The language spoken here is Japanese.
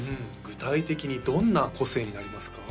具体的にどんな個性になりますか？